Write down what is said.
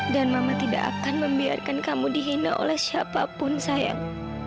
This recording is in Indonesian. dan mama tidak akan membiarkan kamu dihina oleh siapapun sayang